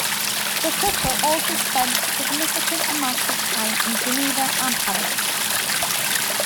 The couple also spent significant amounts of time in Geneva and Paris.